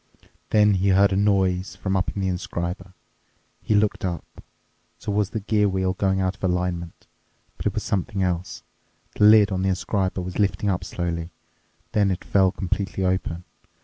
Then he heard a noise from up in the inscriber. He looked up. So was the gear wheel going out of alignment? But it was something else. The lid on the inscriber was lifting up slowly. Then it fell completely open.